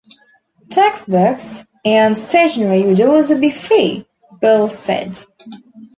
Textbooks and stationery would also be free, Bole said.